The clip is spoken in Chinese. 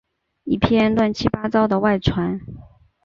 一篇乱七八糟的外传